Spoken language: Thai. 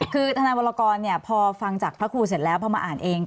คือทนายวรกรพอฟังจากพระครูเสร็จแล้วพอมาอ่านเอง